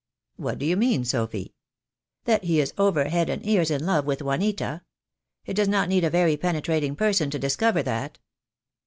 "What do you mean, Sophy?" "That he is over head and ears in love with Juanita. It does not need a very penetrating person to discover that."